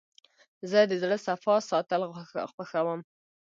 زه د زړه صفا ساتل خوښوم.